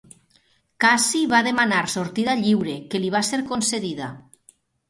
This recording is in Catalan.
Cassi va demanar sortida lliure, que li va ser concedida.